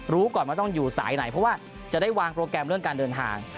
รู้ก่อนว่าต้องอยู่สายไหนเพราะว่าจะได้วางโปรแกรมเรื่องการเดินทาง